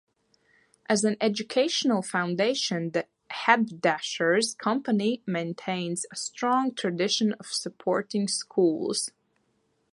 As an educational foundation, the Haberdashers' Company maintains a strong tradition of supporting schools.